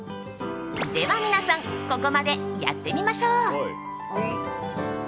では、皆さんここまでやってみましょう！